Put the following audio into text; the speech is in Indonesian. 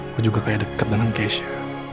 gue juga kayak deket dengan kesia